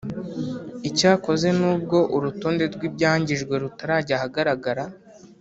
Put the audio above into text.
Icyakoze n’ubwo urutonde rw’ibyangijwe rutarajya ahagaragara